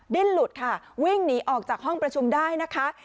ดิ้นหลุดค่ะวิ่งหนีออกจากห้องประชุมได้นะคะ